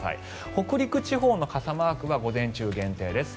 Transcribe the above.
北陸地方の傘マークは午前中限定です。